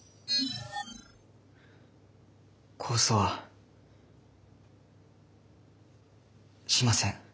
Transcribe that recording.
控訴はしません。